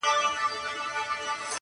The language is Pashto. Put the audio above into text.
تا غرڅه غوندي اوتر اوتر کتلای.!